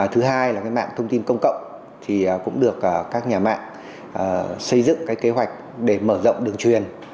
thứ hai là cái mạng thông tin công cộng thì cũng được các nhà mạng xây dựng cái kế hoạch để mở rộng đường truyền